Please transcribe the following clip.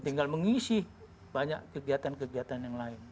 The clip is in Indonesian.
tinggal mengisi banyak kegiatan kegiatan yang lain